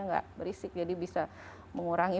nggak berisik jadi bisa mengurangi